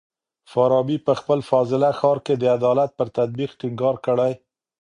فارابي په خپل فاضله ښار کي د عدالت پر تطبيق ټينګار کړی.